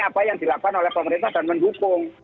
apa yang dilakukan oleh pemerintah dan mendukung